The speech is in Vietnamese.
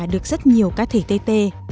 được rất nhiều cá thể tê tê